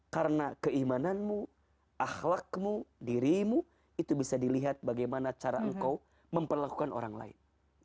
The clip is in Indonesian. karena keimananmu akhlakmu dirimu itu bisa dilihat bagaimana cara engkau memperlakukan orang lain